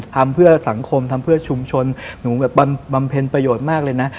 ทำเพื่อสังคมทำเพื่อชุมชนหนูแบบบำเพ็ญประโยชน์มากเลยนะ